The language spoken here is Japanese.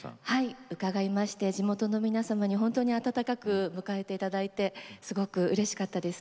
伺いまして地元の皆さんに本当に温かく迎えていただいて本当にうれしかったです。